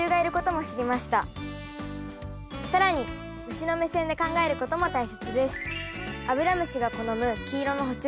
更に虫の目線で考えることも大切です。